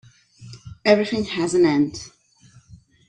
Everything has an end.